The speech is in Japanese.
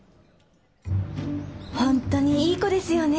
本当にいい子ですよね。